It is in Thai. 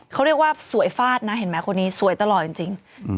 เขาเรียกว่าสวยฟาดนะเห็นไหมคนนี้สวยตลอดจริง